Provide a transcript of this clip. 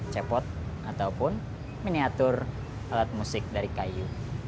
cepot ataupun miniatur alat musik dari kayu